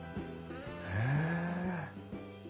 へえ。